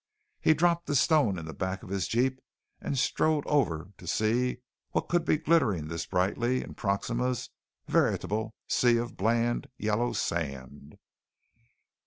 He dropped the stone in the back of the jeep and strode over to see what could be glittering this brightly in Proxima's veritable sea of bland, yellow sand.